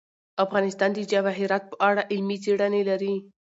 افغانستان د جواهرات په اړه علمي څېړنې لري.